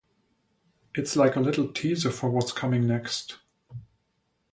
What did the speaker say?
It’s like a little teaser for what’s coming next.